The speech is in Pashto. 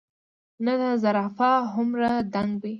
نۀ د زرافه هومره دنګ وي ،